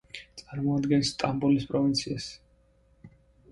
წარმოადგენს სტამბოლის პროვინციას.